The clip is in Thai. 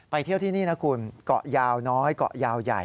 เที่ยวที่นี่นะคุณเกาะยาวน้อยเกาะยาวใหญ่